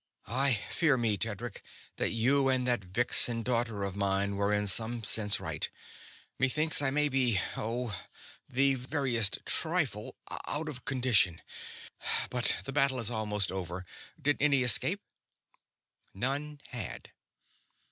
"I fear me, Tedric, that you and that vixen daughter of mine were in some sense right. Methinks I may be Oh, the veriest trifle! out of condition. But the battle is almost over. Did any escape?" None had.